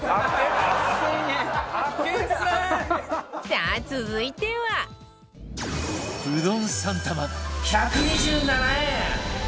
さあ、続いてはうどん３玉、１２７円！